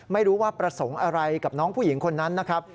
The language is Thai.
ไม่รู้ว่าประสงค์อะไรกับน้องผู้หญิงคนนั้นนะครับ